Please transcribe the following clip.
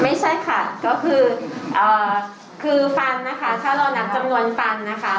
ไม่ใช่ค่ะก็คือคือฟันนะคะถ้าเรานับจำนวนฟันนะคะ